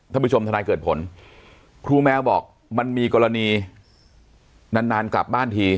ท่านผู้ชมทนายเกิดผลครูแมวบอกมันมีกรณีนานนานกลับบ้านที